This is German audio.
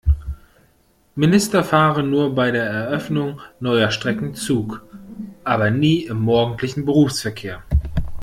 Minister fahren nur bei der Eröffnung neuer Strecken Zug, aber nie im morgendlichen Berufsverkehr.